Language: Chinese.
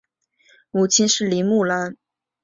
母亲是林慕兰。